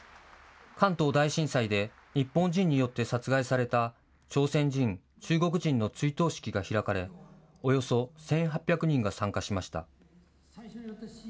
関東大震災で日本人によって殺害された朝鮮人・中国人の追悼式が開かれおよそ１８００人が参加しました。